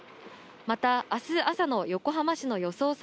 また、あす朝の横浜市の予想